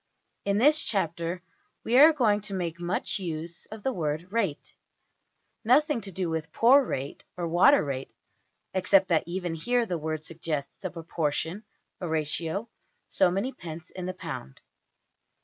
In this chapter we are going to make much use of the word \emph{rate}. Nothing to do with poor rate, or water rate (except that even here the word suggests a proportion a ratio so many pence in the pound).